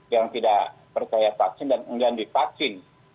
yang tidak percaya vaksin dan mengganti vaksin